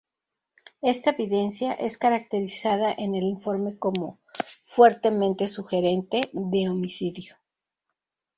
Esta evidencia es caracterizada en el informe como "fuertemente sugerente" de homicidio.